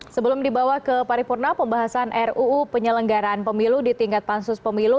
sebelum dibawa ke paripurna pembahasan ruu penyelenggaraan pemilu di tingkat pansus pemilu